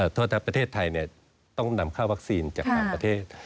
โทษประเทศไทยต้องนำเข้าวัคซีนจากต่างประเทศ